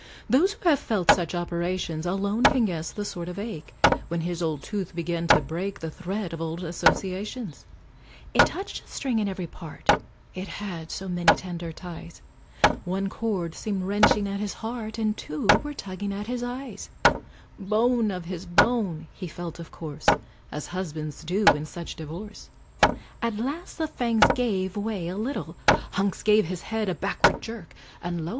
Those who have felt such operations, Alone can guess the sort of ache, When his old tooth began to break The thread of old associations; It touched a string in every part, It had so many tender ties; One cord seemed wrenching at his heart, And two were tugging at his eyes; "Bone of his bone," he felt, of course, As husbands do in such divorce; At last the fangs gave way a little, Hunks gave his head a backward jerk, And lo!